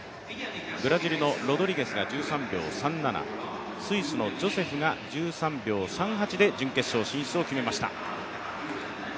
ブラジルのロドリゲスが１３秒３７スイスのジョセフが１３秒３８で準決勝進出を決めました。